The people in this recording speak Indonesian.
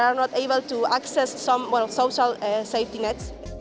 yang tidak dapat mengakses social safety net